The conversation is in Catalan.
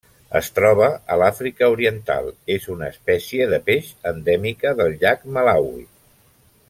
Es troba a l’Àfrica Oriental: és una espècie de peix endèmica del llac Malawi.